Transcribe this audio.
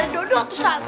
pada dua dua tusan